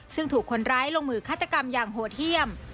ซึ่งถูกคนร้ายลงมือฆาตกรรมอย่างโหดเยี่ยม